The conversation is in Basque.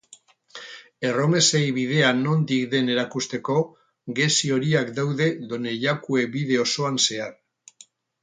Erromesei bidea nondik den erakusteko, gezi horiak daude Donejakue bide osoan zehar.